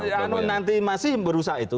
iya tapi kalau nanti masih berusaha itu